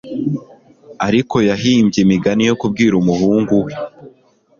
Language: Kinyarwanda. Ariko yahimbye imigani yo kubwira umuhungu we